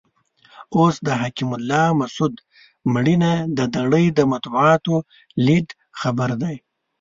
اوس د حکیم الله مسود مړینه د نړۍ د مطبوعاتو لیډ خبر دی.